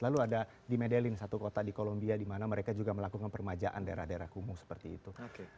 lalu ada di medelin satu kota di kolombia di mana mereka juga melakukan permajaan daerah daerah kumuh seperti itu